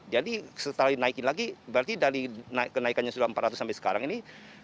jadi setelah dinaikin lagi berarti dari kenaikannya sudah empat ratus sampai sekarang ini